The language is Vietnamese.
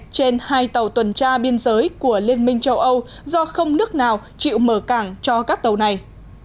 họ đã đồng ý tiếp nhận hai tàu tuần tra biên giới của liên minh châu âu do không nước nào chịu mở cảng cho các tàu này